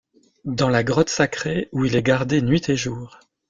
Dans la grotte sacrée, où il est gardé nuit et jour!